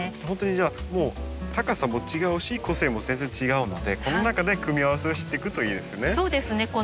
ほんとにじゃあもう高さも違うし個性も全然違うのでこの中で組み合わせをしていくといいですね。